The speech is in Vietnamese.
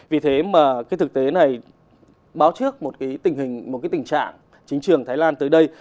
vì thế mà cái thực tế này báo trước một cái tình hình một cái tình trạng chính trường thái lan tới đây